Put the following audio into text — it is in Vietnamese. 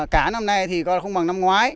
cá năm nay thì không bằng năm ngoái